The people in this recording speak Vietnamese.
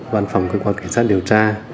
văn phòng cơ quan cảnh sát điều tra